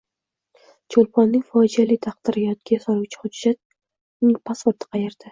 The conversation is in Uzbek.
Cho‘lponning fojiali taqdirini yodga soluvchi hujjat – uning pasporti qayerda?